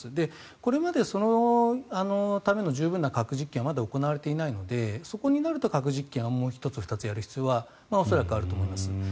これまでそのための十分な核実験はまだ行われていないのでそこになると核実験はもう１つ、２つやる必要は恐らくあると思います。